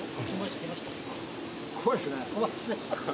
怖いですね。